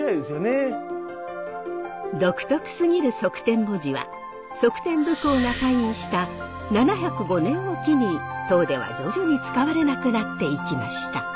独特すぎる則天文字は則天武后が退位した７０５年を機に唐では徐々に使われなくなっていきました。